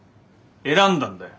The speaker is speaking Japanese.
選んだんだよ